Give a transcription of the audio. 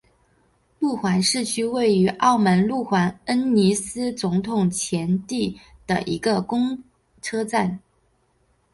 路环市区位于澳门路环恩尼斯总统前地的一个公车站。